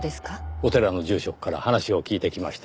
お寺の住職から話を聞いてきました。